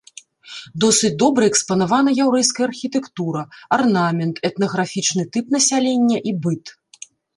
Досыць добра экспанавана яўрэйская архітэктура, арнамент, этнаграфічны тып насялення і быт.